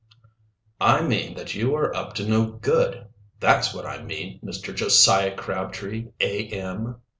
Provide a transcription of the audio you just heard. "I mean that you are up to no good; that's what I mean, Mr. Josiah Crabtree, A. M."